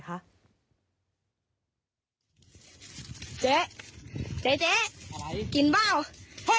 และเรื่องที่สองคนถูกเกี่ยวก็คือ